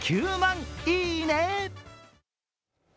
９万いいね。